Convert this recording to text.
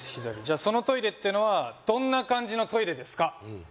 左じゃそのトイレっていうのはどんな感じのトイレですか？